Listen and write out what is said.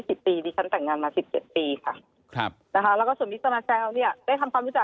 เสือด๒๐ปีดิฉันตั้งงานมา๑๗ปีค่ะ